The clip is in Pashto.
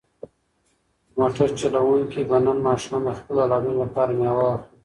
موټر چلونکی به نن ماښام د خپلو اولادونو لپاره مېوه واخلي.